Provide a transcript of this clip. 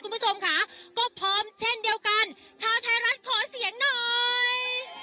คุณผู้ชมค่ะก็พร้อมเช่นเดียวกันชาวไทยรัฐขอเสียงหน่อย